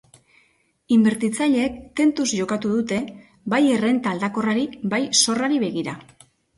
Inbertitzaileek tentuz jokatu dute, bai errenta aldakorrari bai zorrari begira.